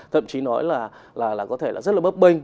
thậm chí nói là có thể là rất là bấp bênh